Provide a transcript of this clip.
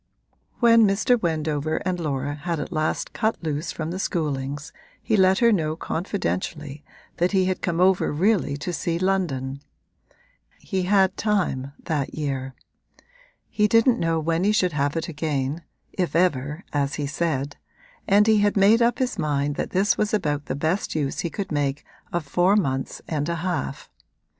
When Mr. Wendover and Laura had at last cut loose from the Schoolings he let her know confidentially that he had come over really to see London; he had time, that year; he didn't know when he should have it again (if ever, as he said) and he had made up his mind that this was about the best use he could make of four months and a half.